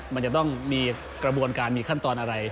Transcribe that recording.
มันจะต้องมีกระบวนการมีขั้นตอนอะไร